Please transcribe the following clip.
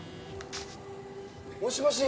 もしもし。